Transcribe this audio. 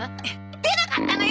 出なかったのよ！